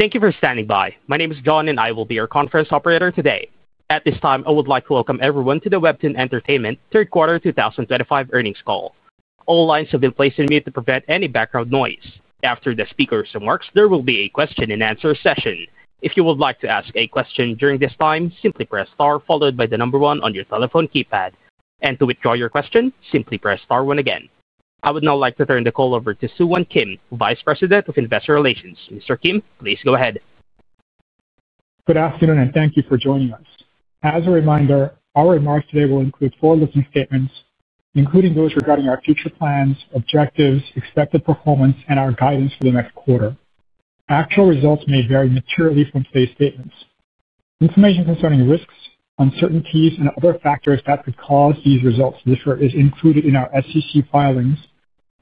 Thank you for standing by. My name is John, and I will be your conference operator today. At this time, I would like to welcome everyone to the WEBTOON Entertainment Q3 2025 earnings call. All lines have been placed on mute to prevent any background noise. After the speakers and marks, there will be a Q&A session. If you would like to ask a question during this time, simply press star on your telephone keypad, and to withdraw your question, simply press star again. I would now like to turn the call over to Soohwan Kim, Vice President of Investor Relations. Mr. Kim, please go ahead. Good afternoon, and thank you for joining us. As a reminder, our remarks today will include forward-looking statements, including those regarding our future plans, objectives, expected performance, and our guidance for the next quarter. Actual results may vary materially from today's statements. Information concerning risks, uncertainties, and other factors that could cause these results to differ is included in our SEC filings,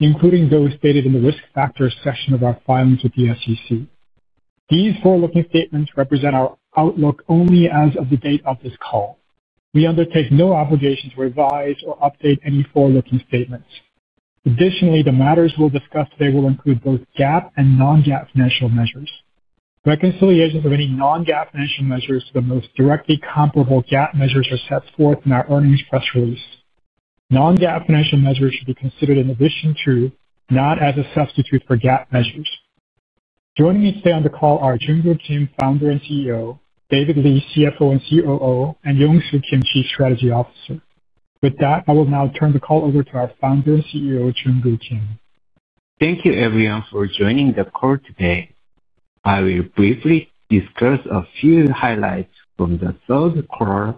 including those stated in the risk factors section of our filings with the SEC. These forward-looking statements represent our outlook only as of the date of this call. We undertake no obligation to revise or update any forward-looking statements. Additionally, the matters we'll discuss today will include both GAAP and non-GAAP financial measures. Reconciliations of any non-GAAP financial measures to the most directly comparable GAAP measures are set forth in our earnings press release. Non-GAAP financial measures should be considered in addition to, not as a substitute for GAAP measures. Joining me today on the call are Junkoo Kim, Founder and CEO, David Lee, CFO and COO, and Yongsoo Kim, Chief Strategy Officer. With that, I will now turn the call over to our Founder and CEO, Junkoo Kim. Thank you, everyone, for joining the call today. I will briefly discuss a few highlights from the third quarter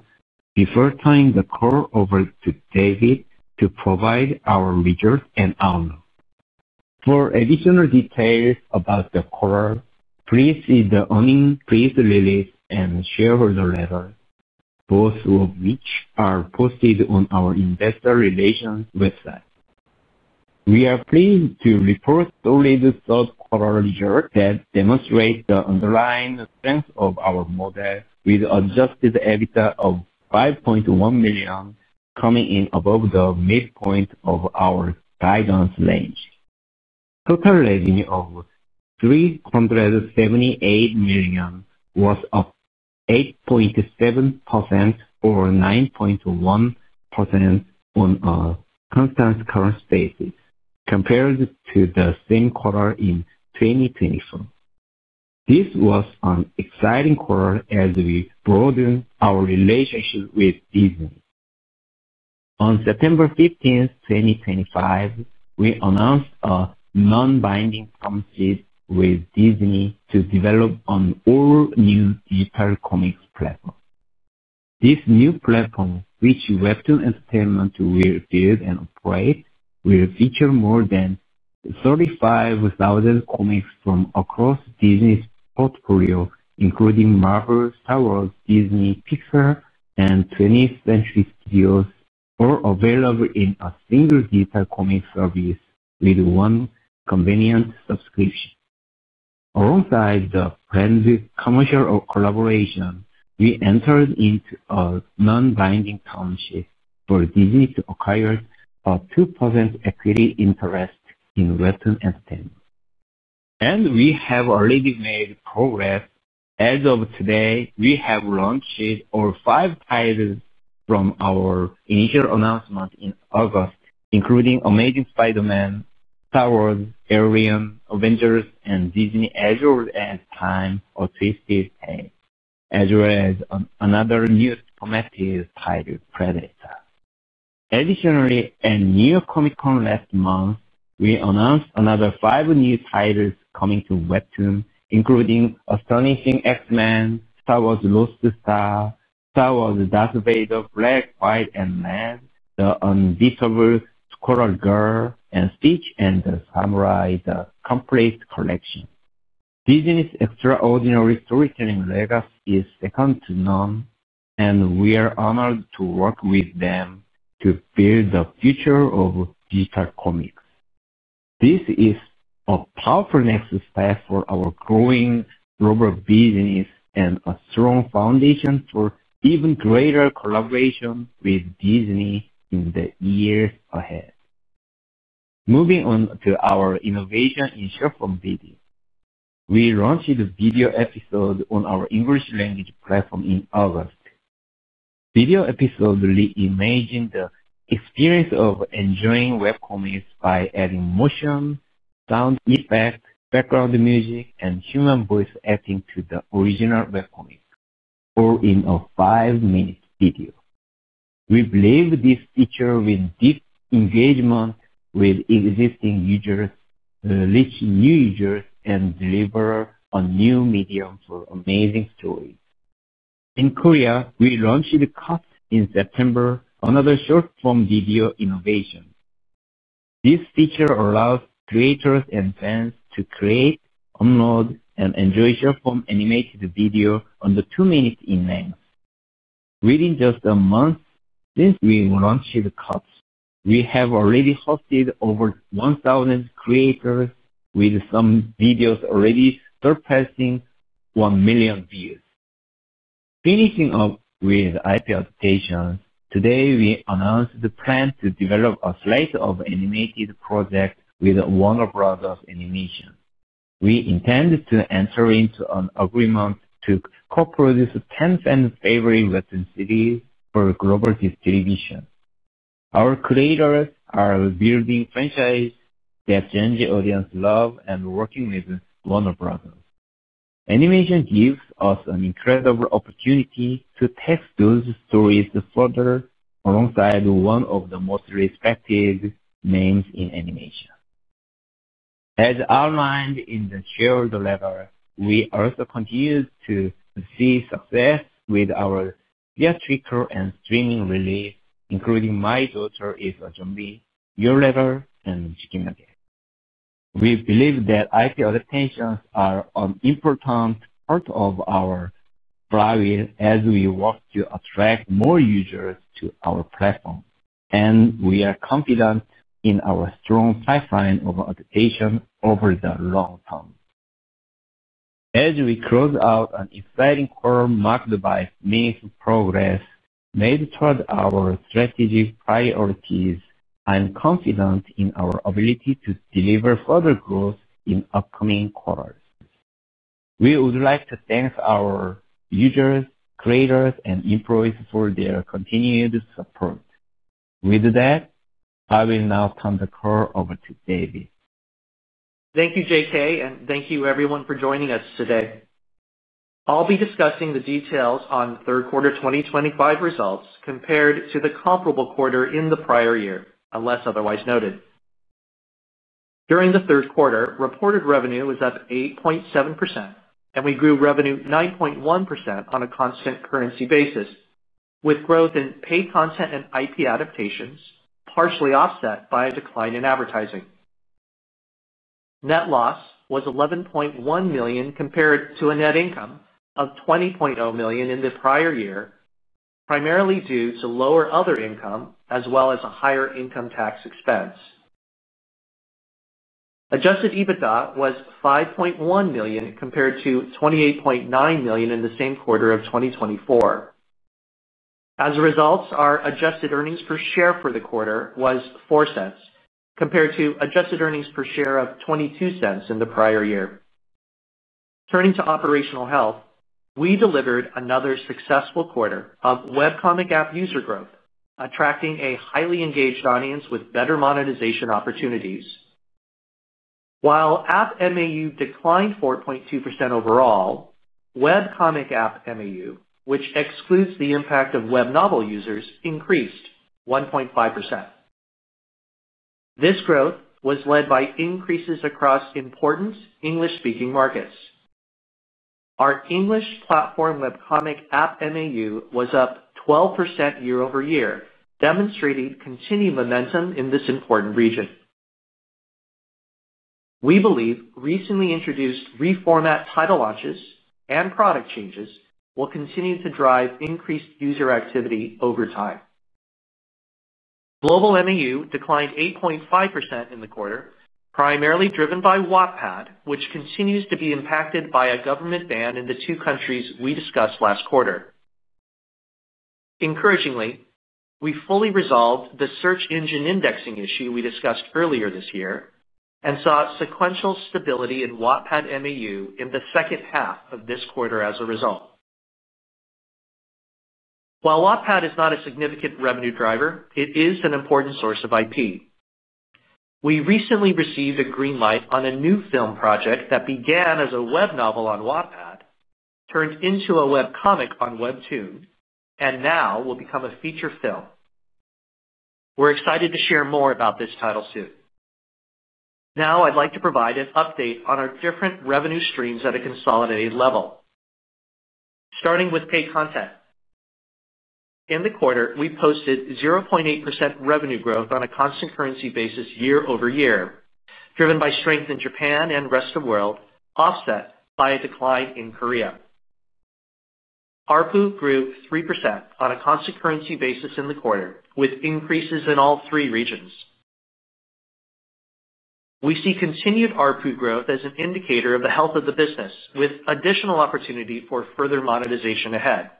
before turning the call over to David to provide our results and outlook. For additional details about the quarter, please see the earnings press release and shareholder letters, both of which are posted on our Investor Relations website. We are pleased to report solid third-quarter results that demonstrate the underlying strength of our model, with an adjusted EBITDA of $5.1 million coming in above the midpoint of our guidance range. Total revenue of $378 million was up 8.7% or 9.1% on a constant currency basis, compared to the same quarter in 2024. This was an exciting quarter as we broadened our relationship with Disney. On September 15, 2025, we announced a non-binding promise with Disney to develop an all-new digital comics platform. This new platform, which WEBTOON Entertainment will build and operate, will feature more than 35,000 comics from across Disney's portfolio, including Marvel, Star Wars, Disney, Pixar, and 20th Century Studios, all available in a single digital comics service with one convenient subscription. Alongside the brand's commercial collaboration, we entered into a non-binding partnership for Disney to acquire a 2% equity interest in WEBTOON Entertainment. We have already made progress. As of today, we have launched all five titles from our initial announcement in August, including Amazing Spider-Man, Star Wars, Alien, Avengers, and Disney's Azure and Time: A Twisted Tale, as well as another new superlative title, Predator. Additionally, at New York Comic Con last month, we announced another five new titles coming to WEBTOON, including Astonishing X-Men, Star Wars: Lost Star, Star Wars: Darth Vader: Black, White, and Red, The Invincible Squirrel Girl, and Speech and the Samurai: The Complete Collection. Disney's extraordinary storytelling legacy is second to none, and we are honored to work with them to build the future of digital comics. This is a powerful next step for our growing global business and a strong foundation for even greater collaboration with Disney in the years ahead. Moving on to our innovation in short-form video, we launched a video episode on our English-language platform in August. Video episodes reimagine the experience of enjoying webcomics by adding motion, sound effects, background music, and human voice acting to the original webcomics, all in a five-minute video. We believe this feature will deepen engagement with existing users, reach new users, and deliver a new medium for amazing stories. In Korea, we launched Cut in September, another short-form video innovation. This feature allows creators and fans to create, upload, and enjoy short-form animated videos under two-minute lengths. Within just a month since we launched Cut, we have already hosted over 1,000 creators, with some videos already surpassing 1 million views. Finishing up with IP adaptations, today we announced the plan to develop a slice of animated project with Warner Bros. Animation. We intend to enter into an agreement to co-produce 10 fan-favorite WEBTOON series for global distribution. Our creators are building franchises that Gen Z audiences love and working with Warner Bros. Animation gives us an incredible opportunity to take those stories further alongside one of the most respected names in animation. As outlined in the shared letter, we also continue to see success with our theatrical and streaming release, including My Daughter Is a Zombie, Your Letter, and Chicken Nugget. We believe that IP adaptations are an important part of our flywheel as we work to attract more users to our platform, and we are confident in our strong pipeline of adaptations over the long term. As we close out an exciting quarter marked by much progress made toward our strategic priorities, I'm confident in our ability to deliver further growth in upcoming quarters. We would like to thank our users, creators, and employees for their continued support. With that, I will now turn the call over to David. Thank you, JK, and thank you, everyone, for joining us today. I'll be discussing the details on Q3 2025 results compared to the comparable quarter in the prior year, unless otherwise noted. During the third quarter, reported revenue was up 8.7%, and we grew revenue 9.1% on a constant currency basis, with growth in paid content and IP adaptations partially offset by a decline in advertising. Net loss was $11.1 million compared to a net income of $20.0 million in the prior year, primarily due to lower other income as well as a higher income tax expense. Adjusted EBITDA was $5.1 million compared to $28.9 million in the same quarter of 2024. As a result, our adjusted earnings per share for the quarter was $0.04 compared to adjusted earnings per share of $0.22 in the prior year. Turning to operational health, we delivered another successful quarter of webcomic app user growth, attracting a highly engaged audience with better monetization opportunities. While app MAU declined 4.2% overall, webcomic app MAU, which excludes the impact of web novel users, increased 1.5%. This growth was led by increases across important English-speaking markets. Our English-platform webcomic app MAU was up 12% year-over-year, demonstrating continued momentum in this important region. We believe recently introduced reformat title launches and product changes will continue to drive increased user activity over time. Global MAU declined 8.5% in the quarter, primarily driven by Wattpad, which continues to be impacted by a government ban in the two countries we discussed last quarter. Encouragingly, we fully resolved the search engine indexing issue we discussed earlier this year and saw sequential stability in Wattpad MAU in the second half of this quarter as a result. While Wattpad is not a significant revenue driver, it is an important source of IP. We recently received a green light on a new film project that began as a web novel on Wattpad, turned into a webcomic on WEBTOON, and now will become a feature film. We're excited to share more about this title soon. Now, I'd like to provide an update on our different revenue streams at a consolidated level, starting with paid content. In the quarter, we posted 0.8% revenue growth on a constant currency basis year-over-year, driven by strength in Japan and the rest of the world, offset by a decline in Korea. ARPU grew 3% on a constant currency basis in the quarter, with increases in all three regions. We see continued ARPU growth as an indicator of the health of the business, with additional opportunity for further monetization ahead.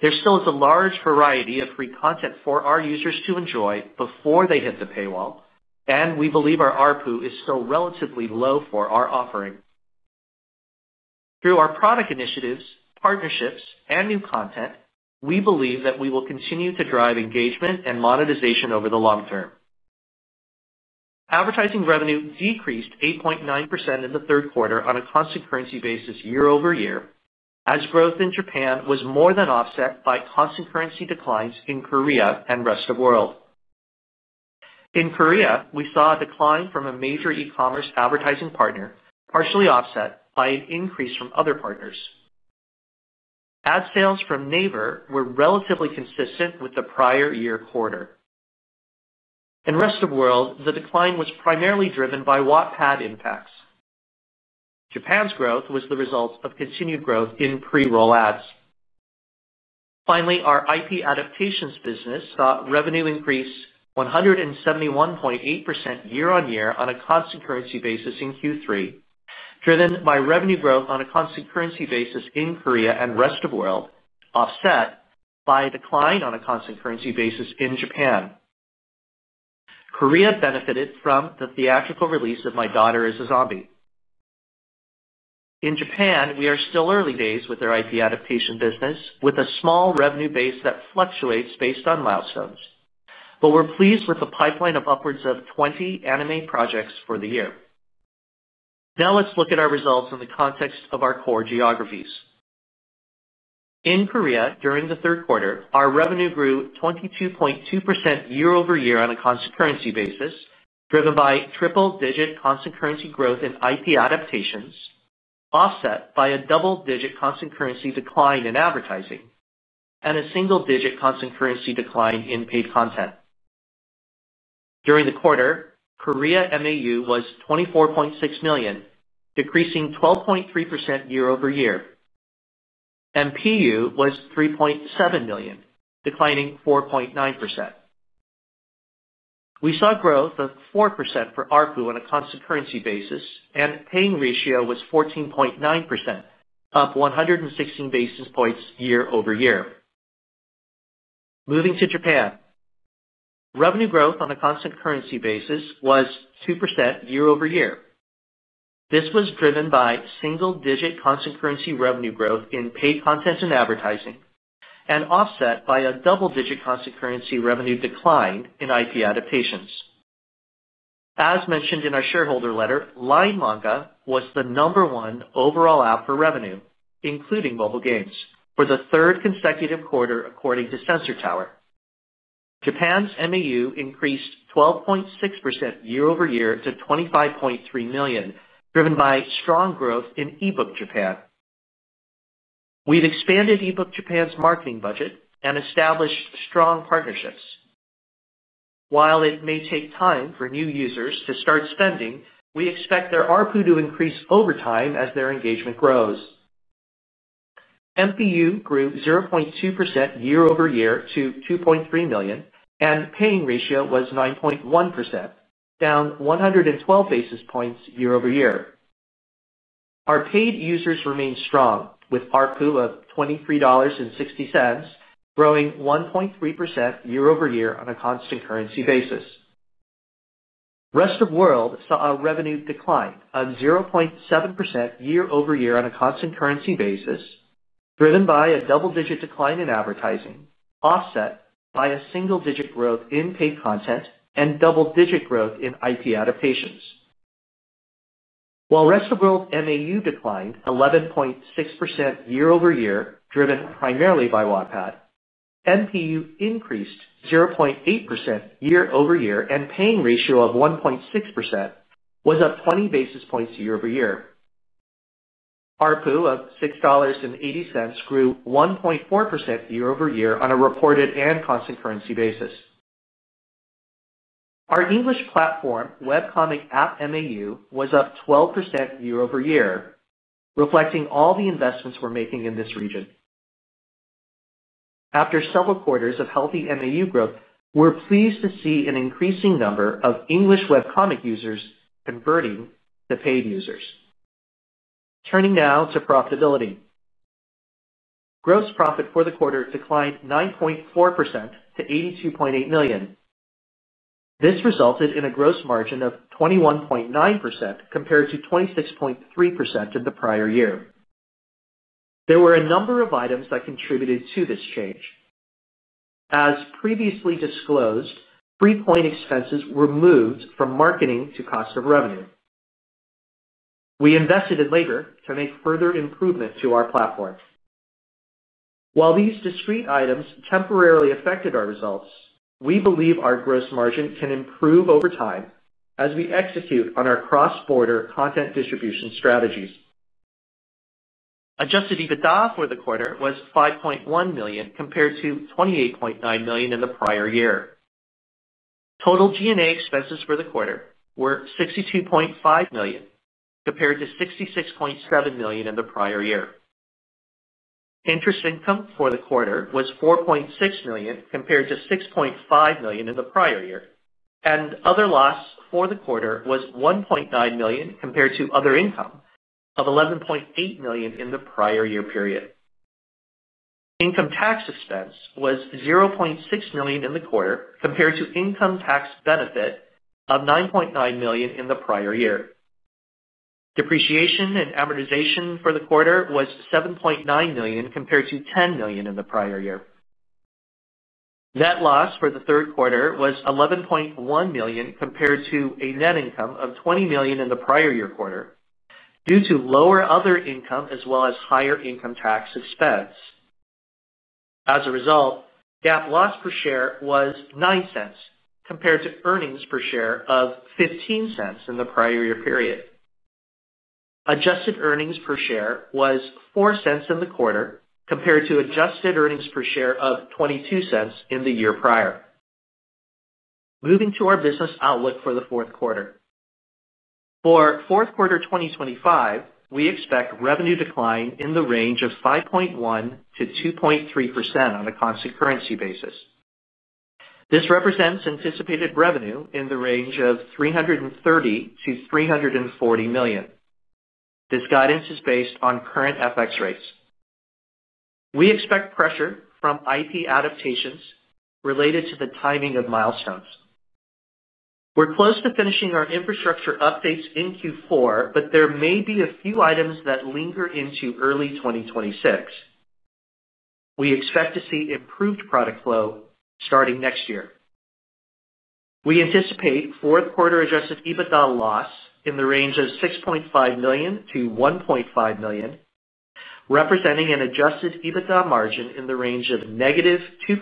There still is a large variety of free content for our users to enjoy before they hit the paywall, and we believe our ARPU is still relatively low for our offering. Through our product initiatives, partnerships, and new content, we believe that we will continue to drive engagement and monetization over the long term. Advertising revenue decreased 8.9% in the third quarter on a constant currency basis year-over-year, as growth in Japan was more than offset by constant currency declines in Korea and the rest of the world. In Korea, we saw a decline from a major e-commerce advertising partner, partially offset by an increase from other partners. Ad sales from Naver were relatively consistent with the prior year quarter. In the rest of the world, the decline was primarily driven by Wattpad impacts. Japan's growth was the result of continued growth in pre-roll ads. Finally, our IP adaptations business saw revenue increase 171.8% year-on-year on a constant currency basis in Q3, driven by revenue growth on a constant currency basis in Korea and the rest of the world, offset by a decline on a constant currency basis in Japan. Korea benefited from the theatrical release of My Daughter Is a Zombie. In Japan, we are still early days with our IP adaptation business, with a small revenue base that fluctuates based on milestones, but we're pleased with a pipeline of upwards of 20 anime projects for the year. Now, let's look at our results in the context of our core geographies. In Korea, during the third quarter, our revenue grew 22.2% year-over-year on a constant currency basis, driven by triple-digit constant currency growth in IP adaptations, offset by a double-digit constant currency decline in advertising, and a single-digit constant currency decline in paid content. During the quarter, Korea MAU was 24.6 million, decreasing 12.3% year-over-year. MPU was 3.7 million, declining 4.9%. We saw growth of 4% for ARPU on a constant currency basis, and paying ratio was 14.9%, up 116 basis points year-over-year. Moving to Japan, revenue growth on a constant currency basis was 2% year-over-year. This was driven by single-digit constant currency revenue growth in paid content and advertising, and offset by a double-digit constant currency revenue decline in IP adaptations. As mentioned in our shareholder letter, LINE Manga was the number one overall app for revenue, including mobile games, for the third consecutive quarter according to Sensor Tower. Japan's MAU increased 12.6% year-over-year to 25.3 million, driven by strong growth in eBook Japan. We've expanded eBook Japan's marketing budget and established strong partnerships. While it may take time for new users to start spending, we expect their ARPU to increase over time as their engagement grows. MPU grew 0.2% year-over-year to 2.3 million, and paying ratio was 9.1%, down 112 basis points year-over-year. Our paid users remained strong, with ARPU of $23.60, growing 1.3% year-over-year on a constant currency basis. Rest of the world saw a revenue decline of 0.7% year-over-year on a constant currency basis, driven by a double-digit decline in advertising, offset by a single-digit growth in paid content and double-digit growth in IP adaptations. While rest of the world MAU declined 11.6% year-over-year, driven primarily by Wattpad, MPU increased 0.8% year-over-year, and paying ratio of 1.6% was up 20 basis points year-over-year. ARPU of $6.80 grew 1.4% year-over-year on a reported and constant currency basis. Our English platform webcomic app MAU was up 12% year-over-year, reflecting all the investments we're making in this region. After several quarters of healthy MAU growth, we're pleased to see an increasing number of English webcomic users converting to paid users. Turning now to profitability. Gross profit for the quarter declined 9.4% to $82.8 million. This resulted in a gross margin of 21.9% compared to 26.3% in the prior year. There were a number of items that contributed to this change. As previously disclosed, free point expenses were moved from marketing to cost of revenue. We invested in labor to make further improvement to our platform. While these discrete items temporarily affected our results, we believe our gross margin can improve over time as we execute on our cross-border content distribution strategies. Adjusted EBITDA for the quarter was $5.1 million compared to $28.9 million in the prior year. Total G&A expenses for the quarter were $62.5 million compared to $66.7 million in the prior year. Interest income for the quarter was $4.6 million compared to $6.5 million in the prior year, and other loss for the quarter was $1.9 million compared to other income of $11.8 million in the prior year period. Income tax expense was $0.6 million in the quarter compared to income tax benefit of $9.9 million in the prior year. Depreciation and amortization for the quarter was $7.9 million compared to $10 million in the prior year. Net loss for the third quarter was $11.1 million compared to a net income of $20 million in the prior year quarter due to lower other income as well as higher income tax expense. As a result, GAAP loss per share was $0.09 compared to earnings per share of $0.15 in the prior year period. Adjusted earnings per share was $0.04 in the quarter compared to adjusted earnings per share of $0.22 in the year prior. Moving to our business outlook for the fourth quarter. For Q4 2025, we expect revenue decline in the range of 5.1%-2.3% on a constant currency basis. This represents anticipated revenue in the range of $330 million-$340 million. This guidance is based on current FX rates. We expect pressure from IP adaptations related to the timing of milestones. We're close to finishing our infrastructure updates in Q4, but there may be a few items that linger into early 2026. We expect to see improved product flow starting next year. We anticipate Q4 adjusted EBITDA loss in the range of $6.5 million-$1.5 million, representing an adjusted EBITDA margin in the range of -2% to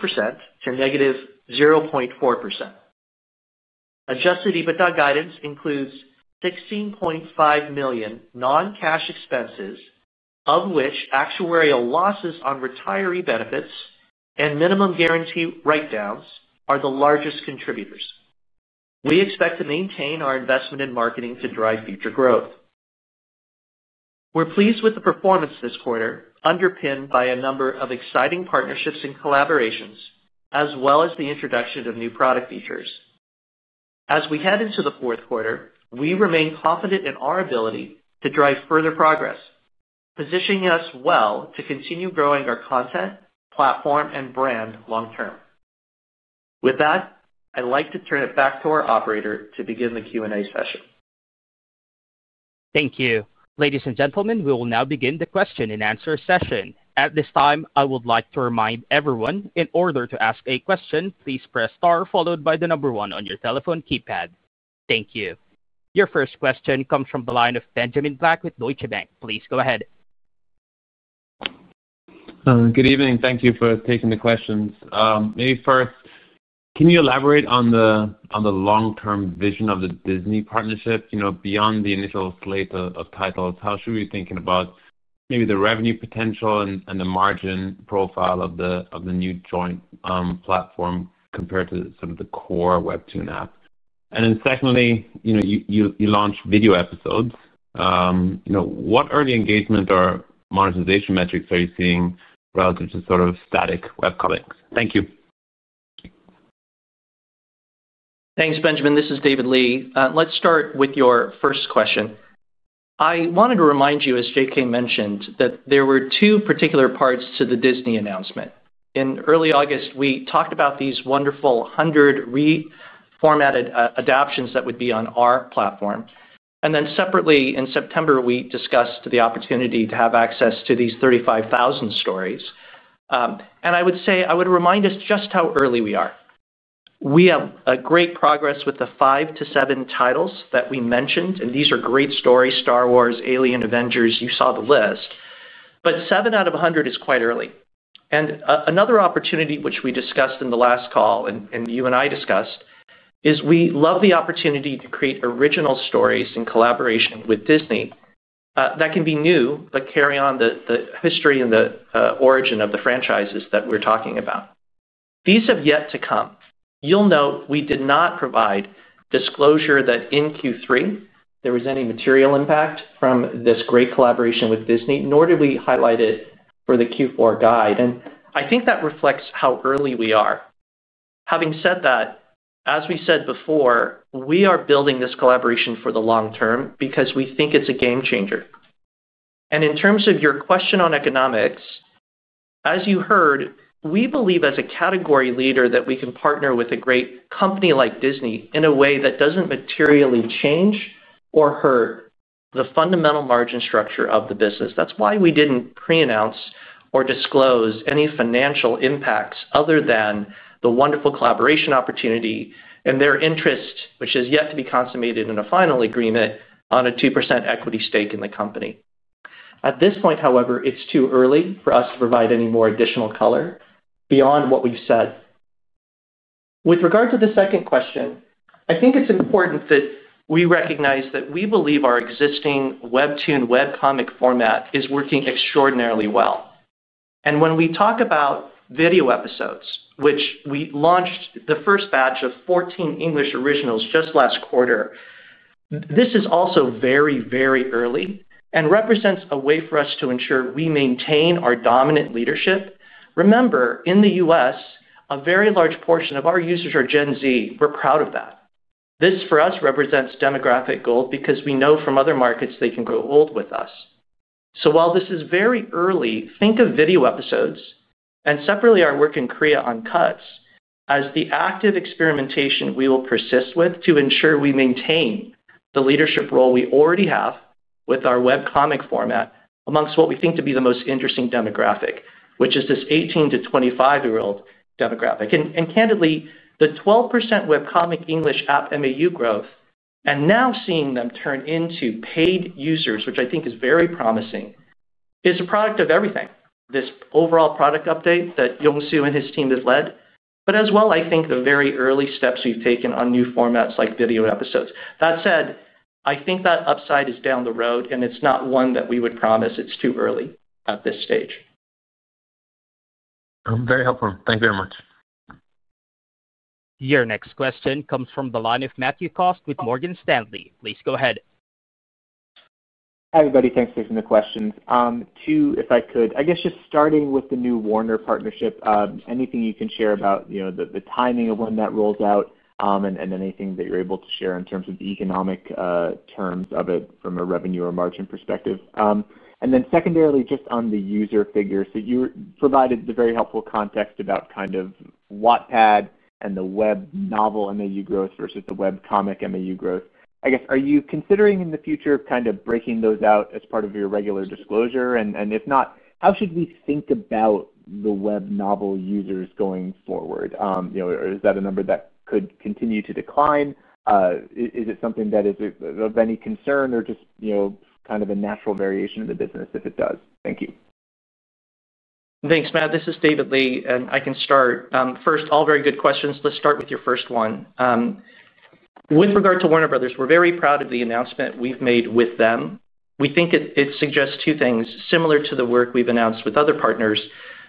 -0.4%. Adjusted EBITDA guidance includes $16.5 million non-cash expenses, of which actuarial losses on retiree benefits and minimum guarantee write-downs are the largest contributors. We expect to maintain our investment in marketing to drive future growth. We're pleased with the performance this quarter, underpinned by a number of exciting partnerships and collaborations, as well as the introduction of new product features. As we head into the fourth quarter, we remain confident in our ability to drive further progress, positioning us well to continue growing our content, platform, and brand long-term. With that, I'd like to turn it back to our operator to begin the Q&A session. Thank you. Ladies and gentlemen, we will now begin the question and answer session. At this time, I would like to remind everyone, in order to ask a question, please press star followed by the number one on your telephone keypad. Thank you. Your first question comes from the line of Benjamin Black with Deutsche Bank. Please go ahead. Good evening. Thank you for taking the questions. Maybe first, can you elaborate on the long-term vision of the Disney partnership beyond the initial slate of titles? How should we be thinking about maybe the revenue potential and the margin profile of the new joint platform compared to sort of the core WEBTOON app? Then secondly, you launch video episodes. What early engagement or monetization metrics are you seeing relative to sort of static webcomics? Thank you. Thanks, Benjamin. This is David Lee. Let's start with your first question. I wanted to remind you, as J.K. mentioned, that there were two particular parts to the Disney announcement. In early August, we talked about these wonderful 100 reformatted adaptations that would be on our platform. Separately, in September, we discussed the opportunity to have access to these 35,000 stories. I would say I would remind us just how early we are. We have great progress with the five to seven titles that we mentioned, and these are great stories: Star Wars, Alien, Avengers. You saw the list. Seven out of 100 is quite early. Another opportunity which we discussed in the last call, and you and I discussed, is we love the opportunity to create original stories in collaboration with Disney that can be new but carry on the history and the origin of the franchises that we're talking about. These have yet to come. You'll note we did not provide disclosure that in Q3 there was any material impact from this great collaboration with Disney, nor did we highlight it for the Q4 guide. I think that reflects how early we are. Having said that, as we said before, we are building this collaboration for the long term because we think it's a game changer. In terms of your question on economics, as you heard, we believe as a category leader that we can partner with a great company like Disney in a way that doesn't materially change or hurt the fundamental margin structure of the business. That's why we didn't pre-announce or disclose any financial impacts other than the wonderful collaboration opportunity and their interest, which has yet to be consummated in a final agreement on a 2% equity stake in the company. At this point, however, it's too early for us to provide any more additional color beyond what we've said. With regard to the second question, I think it's important that we recognize that we believe our existing WEBTOON webcomic format is working extraordinarily well. When we talk about Video Episodes, which we launched the first batch of 14 English originals just last quarter, this is also very, very early and represents a way for us to ensure we maintain our dominant leadership. Remember, in the U.S., a very large portion of our users are Gen Z. We're proud of that. This, for us, represents demographic gold because we know from other markets they can grow old with us. While this is very early, think of video episodes, and separately, our work in Korea on Cuts as the active experimentation we will persist with to ensure we maintain the leadership role we already have with our webcomic format amongst what we think to be the most interesting demographic, which is this 18-25-year-old demographic. Candidly, the 12% webcomic English app MAU growth, and now seeing them turn into paid users, which I think is very promising, is a product of everything. This overall product update that Yongsoo and his team have led, but as well, I think, the very early steps we have taken on new formats like video episodes. That said, I think that upside is down the road, and it is not one that we would promise. It is too early at this stage. Very helpful. Thank you very much. Your next question comes from the line of Matthew Copp with Morgan Stanley. Please go ahead. Hi, everybody. Thanks for taking the questions. Two, if I could, I guess just starting with the new Warner partnership, anything you can share about the timing of when that rolls out and anything that you're able to share in terms of the economic terms of it from a revenue or margin perspective. Secondarily, just on the user figures, you provided the very helpful context about kind of Wattpad and the web novel MAU growth versus the webcomic MAU growth. I guess, are you considering in the future kind of breaking those out as part of your regular disclosure? If not, how should we think about the web novel users going forward? Is that a number that could continue to decline? Is it something that is of any concern or just kind of a natural variation of the business if it does? Thank you. Thanks, Matt. This is David Lee, and I can start. First, all very good questions. Let's start with your first one. With regard to Warner Bros., we're very proud of the announcement we've made with them. We think it suggests two things similar to the work we've announced with other partners,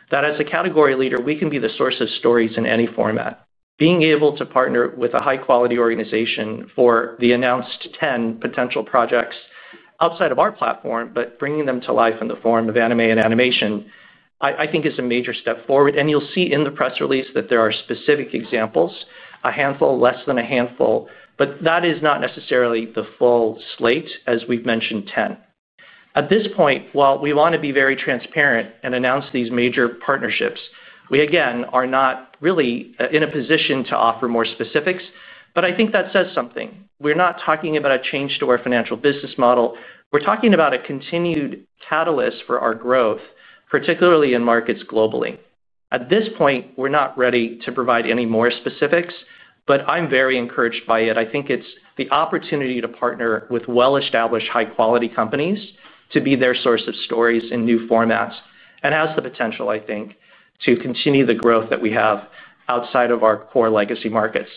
that as a category leader, we can be the source of stories in any format. Being able to partner with a high-quality organization for the announced 10 potential projects outside of our platform, but bringing them to life in the form of anime and animation, I think, is a major step forward. You will see in the press release that there are specific examples, a handful, less than a handful, but that is not necessarily the full slate as we have mentioned 10. At this point, while we want to be very transparent and announce these major partnerships, we, again, are not really in a position to offer more specifics. I think that says something. We are not talking about a change to our financial business model. We are talking about a continued catalyst for our growth, particularly in markets globally. At this point, we are not ready to provide any more specifics, but I am very encouraged by it. I think it is the opportunity to partner with well-established high-quality companies to be their source of stories in new formats and has the potential, I think, to continue the growth that we have outside of our core legacy markets.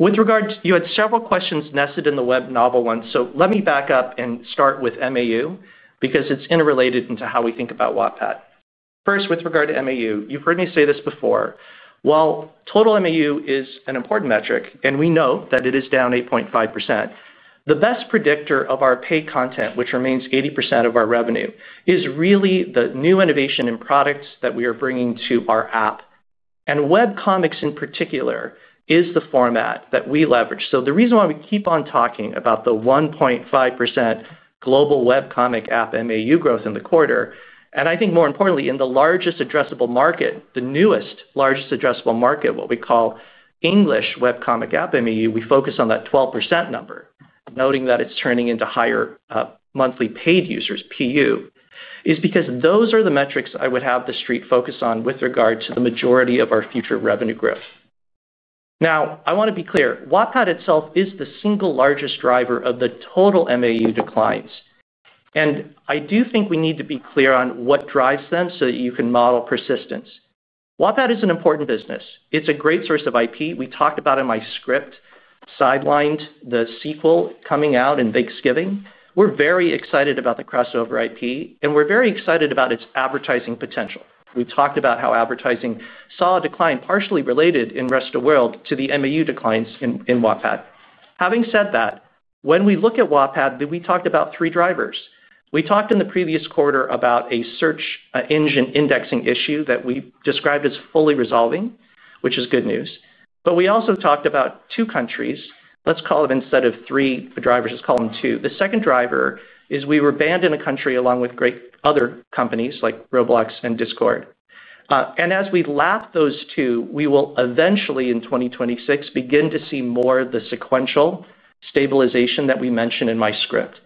With regard, you had several questions nested in the web novel one, so let me back up and start with MAU because it's interrelated into how we think about Wattpad. First, with regard to MAU, you've heard me say this before. While total MAU is an important metric, and we know that it is down 8.5%, the best predictor of our paid content, which remains 80% of our revenue, is really the new innovation in products that we are bringing to our app. Webcomics in particular is the format that we leverage. The reason why we keep on talking about the 1.5% global webcomic app MAU growth in the quarter, and I think more importantly, in the largest addressable market, the newest largest addressable market, what we call English webcomic app MAU, we focus on that 12% number, noting that it's turning into higher monthly paid users, PU, is because those are the metrics I would have the street focus on with regard to the majority of our future revenue growth. Now, I want to be clear. Wattpad itself is the single largest driver of the total MAU declines. I do think we need to be clear on what drives them so that you can model persistence. Wattpad is an important business. It's a great source of IP. We talked about it in my script, Sidelined the sequel coming out in Thanksgiving. We're very excited about the crossover IP, and we're very excited about its advertising potential. We talked about how advertising saw a decline, partially related in rest of the world, to the MAU declines in Wattpad. Having said that, when we look at Wattpad, we talked about three drivers. We talked in the previous quarter about a search engine indexing issue that we described as fully resolving, which is good news. We also talked about two countries. Let's call them instead of three drivers, let's call them two. The second driver is we were banned in a country along with great other companies like Roblox and Discord. As we lap those two, we will eventually, in 2026, begin to see more of the sequential stabilization that we mentioned in my script.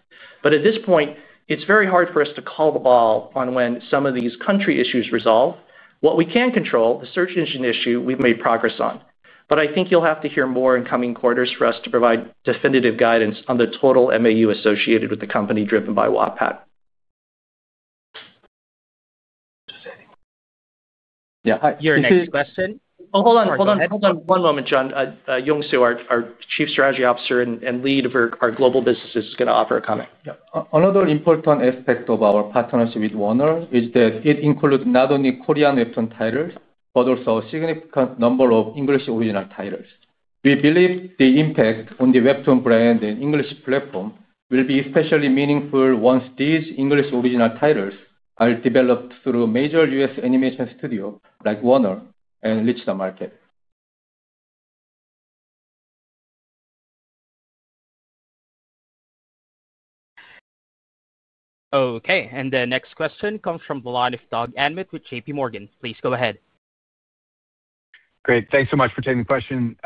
At this point, it's very hard for us to call the ball on when some of these country issues resolve. What we can control, the search engine issue, we've made progress on. I think you'll have to hear more in coming quarters for us to provide definitive guidance on the total MAU associated with the company driven by Wattpad. Yeah. Your next question. Oh, hold on. Hold on. Hold on. One moment, John. Yongsoo, our Chief Strategy Officer and lead of our global businesses, is going to offer a comment. Another important aspect of our partnership with Warner is that it includes not only Korean webtoon titles, but also a significant number of English original titles. We believe the impact on the WEBTOON brand and English platform will be especially meaningful once these English original titles are developed through major U.S. animation studios like Warner and reach the market. Okay. The next question comes from the line of Doug Anmuth with J.P. Morgan. Please go ahead. Great. Thanks so much for taking the question.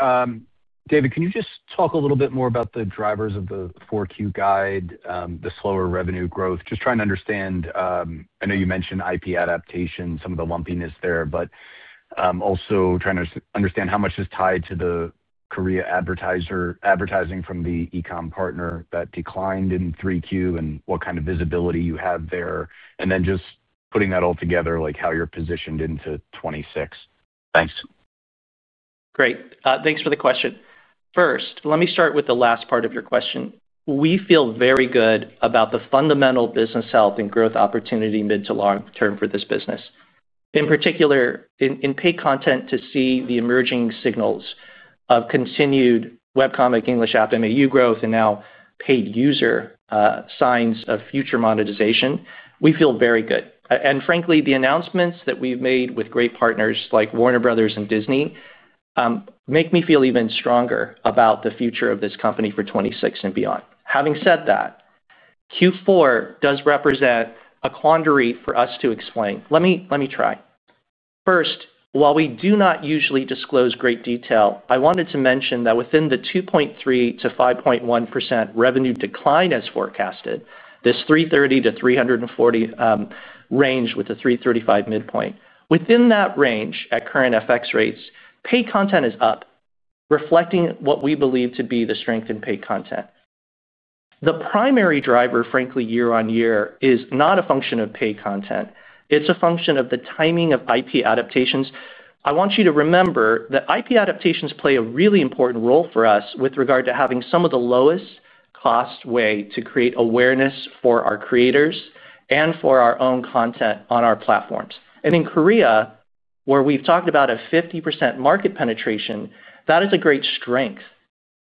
David, can you just talk a little bit more about the drivers of the 4Q guide, the slower revenue growth? Just trying to understand. I know you mentioned IP adaptation, some of the lumpiness there, but also trying to understand how much is tied to the Korea advertising from the e-com partner that declined in 3Q and what kind of visibility you have there. Then just putting that all together, how you're positioned into 2026. Thanks. Great. Thanks for the question. First, let me start with the last part of your question. We feel very good about the fundamental business health and growth opportunity mid to long term for this business. In particular, in paid content to see the emerging signals of continued webcomic English app MAU growth and now paid user signs of future monetization, we feel very good. Frankly, the announcements that we've made with great partners like Warner Bros. and Disney make me feel even stronger about the future of this company for 2026 and beyond. Having said that, Q4 does represent a quandary for us to explain. Let me try. First, while we do not usually disclose great detail, I wanted to mention that within the 2.3%-5.1% revenue decline as forecasted, this $330 million-$340 million range with a $335 million midpoint, within that range at current FX rates, paid content is up, reflecting what we believe to be the strength in paid content. The primary driver, frankly, year on year, is not a function of paid content. It is a function of the timing of IP adaptations. I want you to remember that IP adaptations play a really important role for us with regard to having some of the lowest cost way to create awareness for our creators and for our own content on our platforms. In Korea, where we have talked about a 50% market penetration, that is a great strength.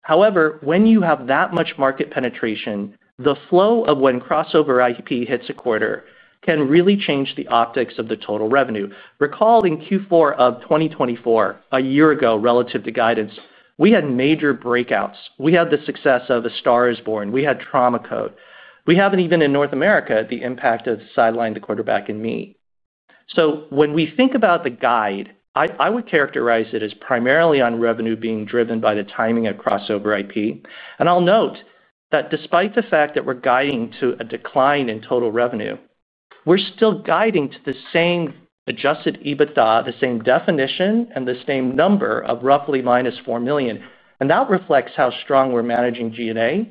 However, when you have that much market penetration, the flow of when crossover IP hits a quarter can really change the optics of the total revenue. Recall in Q4 of 2024, a year ago relative to guidance, we had major breakouts. We had the success of A Star Is Born. We had Trauma Code. We have not even in North America the impact of Sidelined the Quarterback and Me. When we think about the guide, I would characterize it as primarily on revenue being driven by the timing of crossover IP. I will note that despite the fact that we are guiding to a decline in total revenue, we are still guiding to the same adjusted EBITDA, the same definition, and the same number of roughly -$4 million. That reflects how strong we are managing G&A.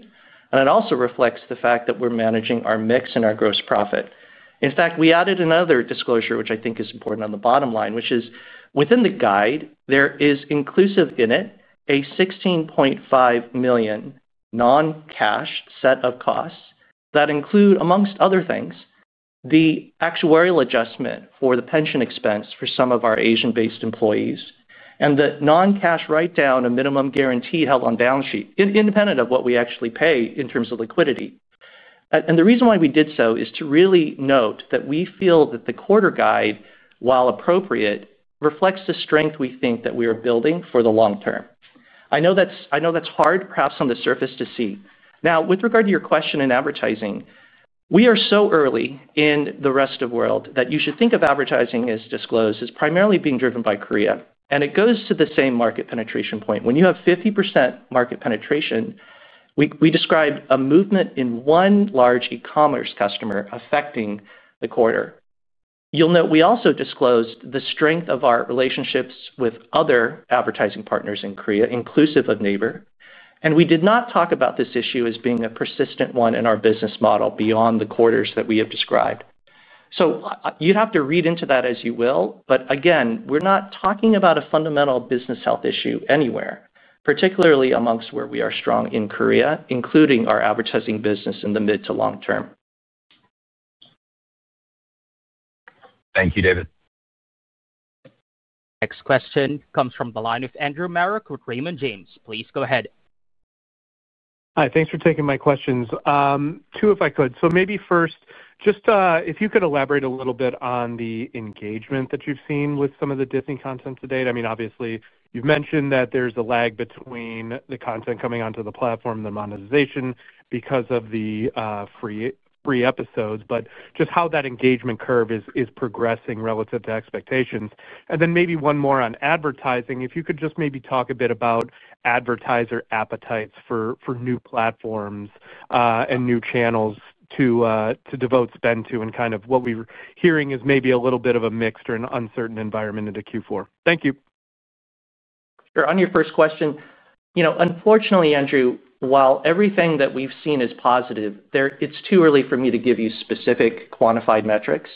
It also reflects the fact that we are managing our mix and our gross profit. In fact, we added another disclosure, which I think is important on the bottom line, which is within the guide, there is inclusive in it a $16.5 million non-cash set of costs that include, amongst other things, the actuarial adjustment for the pension expense for some of our Asian-based employees and the non-cash write-down, a minimum guarantee held on balance sheet, independent of what we actually pay in terms of liquidity. The reason why we did so is to really note that we feel that the quarter guide, while appropriate, reflects the strength we think that we are building for the long term. I know that's hard, perhaps on the surface, to see. Now, with regard to your question in advertising, we are so early in the rest of the world that you should think of advertising as disclosed as primarily being driven by Korea. It goes to the same market penetration point. When you have 50% market penetration, we describe a movement in one large e-commerce customer affecting the quarter. You'll note we also disclosed the strength of our relationships with other advertising partners in Korea, inclusive of Naver. We did not talk about this issue as being a persistent one in our business model beyond the quarters that we have described. You'd have to read into that as you will. Again, we're not talking about a fundamental business health issue anywhere, particularly amongst where we are strong in Korea, including our advertising business in the mid to long term. Thank you, David. Next question comes from the line of Andrew Marrock with Raymond James. Please go ahead. Hi. Thanks for taking my questions. Two, if I could. Maybe first, just if you could elaborate a little bit on the engagement that you've seen with some of the Disney content to date. I mean, obviously, you've mentioned that there's a lag between the content coming onto the platform, the monetization, because of the free episodes, but just how that engagement curve is progressing relative to expectations. Then maybe one more on advertising. If you could just maybe talk a bit about advertiser appetites for new platforms and new channels to devote spend to and kind of what we're hearing is maybe a little bit of a mixed or an uncertain environment into Q4. Thank you. Sure. On your first question, unfortunately, Andrew, while everything that we've seen is positive, it's too early for me to give you specific quantified metrics.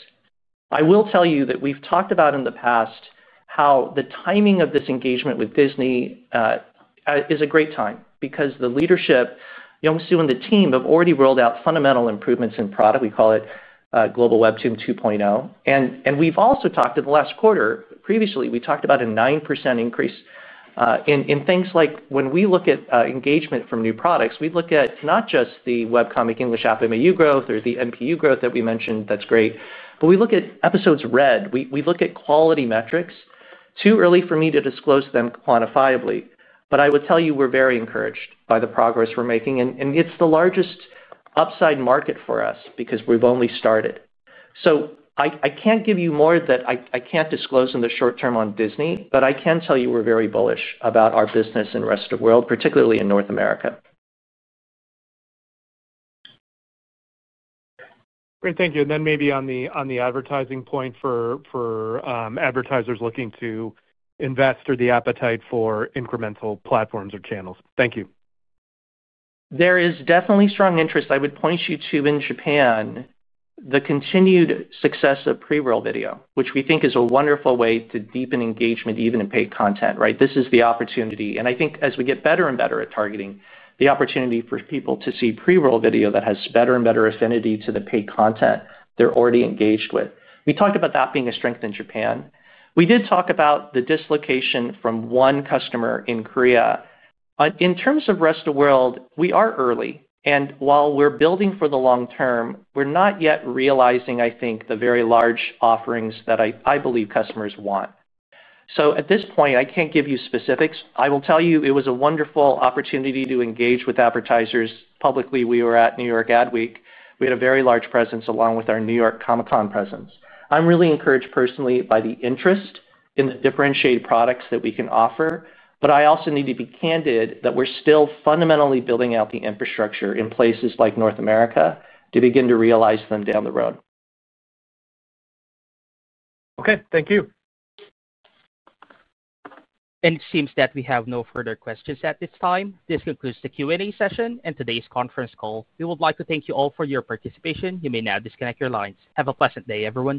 I will tell you that we've talked about in the past how the timing of this engagement with Disney is a great time because the leadership, Yongsoo and the team, have already rolled out fundamental improvements in product. We call it Global Webtoon 2.0. We have also talked in the last quarter. Previously, we talked about a 9% increase in things like when we look at engagement from new products, we look at not just the webcomic English app MAU growth or the MPU growth that we mentioned that's great, but we look at episodes read. We look at quality metrics. Too early for me to disclose them quantifiably. I would tell you we're very encouraged by the progress we're making. It is the largest upside market for us because we've only started. I can't give you more that I can't disclose in the short term on Disney, but I can tell you we're very bullish about our business in rest of the world, particularly in North America. Great. Thank you. Maybe on the advertising point for advertisers looking to invest or the appetite for incremental platforms or channels. Thank you. There is definitely strong interest. I would point you to, in Japan, the continued success of pre-roll video, which we think is a wonderful way to deepen engagement even in paid content. Right? This is the opportunity. I think as we get better and better at targeting the opportunity for people to see pre-roll video that has better and better affinity to the paid content they're already engaged with. We talked about that being a strength in Japan. We did talk about the dislocation from one customer in Korea. In terms of rest of the world, we are early. And while we're building for the long term, we're not yet realizing, I think, the very large offerings that I believe customers want. At this point, I can't give you specifics. I will tell you it was a wonderful opportunity to engage with advertisers publicly. We were at New York Ad Week. We had a very large presence along with our New York Comic-Con presence. I'm really encouraged personally by the interest in the differentiated products that we can offer. I also need to be candid that we're still fundamentally building out the infrastructure in places like North America to begin to realize them down the road. Okay. Thank you. It seems that we have no further questions at this time. This concludes the Q&A session and today's conference call. We would like to thank you all for your participation. You may now disconnect your lines. Have a pleasant day, everyone.